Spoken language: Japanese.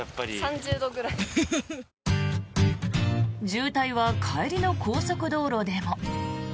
渋滞は帰りの高速道路でも。